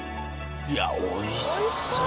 いや美味しそう。